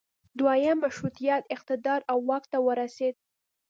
دویم مشروطیت اقتدار او واک ته ورسید.